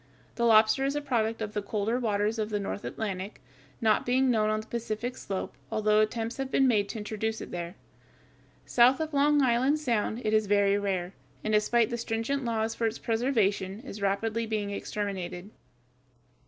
The lobster is a product of the colder waters of the North Atlantic, not being known on the Pacific slope, although attempts have been made to introduce it there. South of Long Island Sound it is very rare, and despite the stringent laws for its preservation, is rapidly being exterminated.